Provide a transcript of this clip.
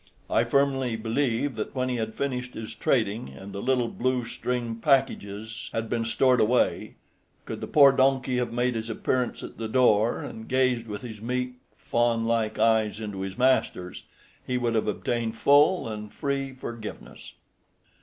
I firmly believe that when he had finished his trading, and the little blue stringed packages had been stored away, could the poor donkey have made his appearance at the door, and gazed with his meek, fawnlike eyes into his master's, he would have obtained full and free forgiveness.